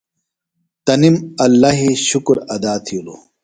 تنیم اللہِ شُکُر ادا تھیلوۡ۔